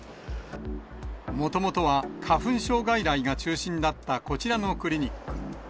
もともとは花粉症外来が中心だったこちらのクリニック。